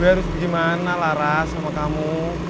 gue harus pergi mana laras sama kamu